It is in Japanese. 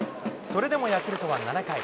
それでもヤクルトは７回。